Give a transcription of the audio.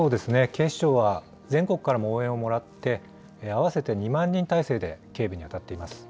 警視庁は全国からも応援をもらって、合わせて２万人態勢で警備に当たっています。